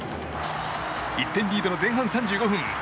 １点リードの前半３５分。